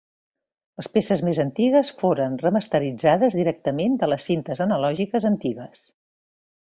Les peces més antigues foren remasteritzades directament de les cintes analògiques antigues.